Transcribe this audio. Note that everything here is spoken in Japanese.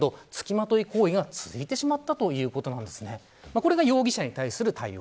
これが容疑者に対する対応。